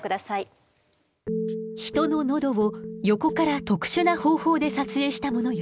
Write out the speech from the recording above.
人の喉を横から特殊な方法で撮影したものよ。